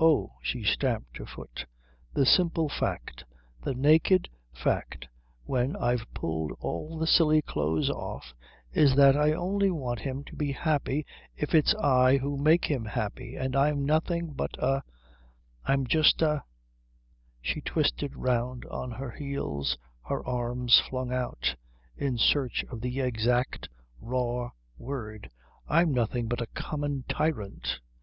Oh" she stamped her foot "the simple fact, the naked fact when I've pulled all the silly clothes off, is that I only want him to be happy if it's I who make him happy, and I'm nothing but a I'm just a " She twisted round on her heels, her arms flung out, in search of the exact raw word "I'm nothing but just a common tyrant."